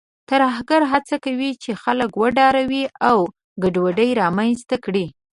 ترهګر هڅه کوي چې خلک وډاروي او ګډوډي رامنځته کړي.